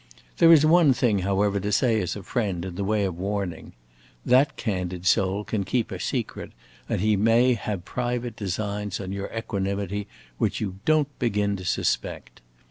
There is one thing, however, to say as a friend, in the way of warning. That candid soul can keep a secret, and he may have private designs on your equanimity which you don't begin to suspect.